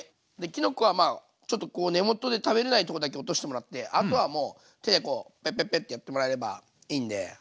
きのこはちょっと根元で食べれないとこだけ落としてもらってあとはもう手でこうペペペってやってもらえればいいんで。